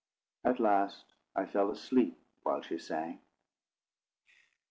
At last I fell asleep while she sang.